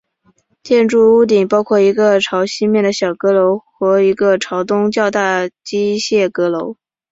建筑的屋顶包括一个朝西面的小阁楼和一个朝东面较大机械阁楼。